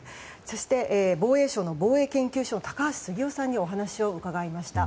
防衛省の防衛省防衛研究所高橋杉雄さんにお話を伺いました。